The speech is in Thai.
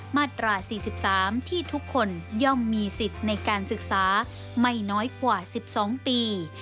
มาตรา๔๓ที่ทุกคนย่อมมีสิทธิ์ในการศึกษาไม่น้อยกว่า๑๒ปี